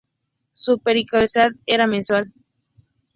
Su periodicidad era mensual.